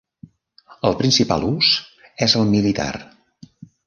El principal ús és el militar.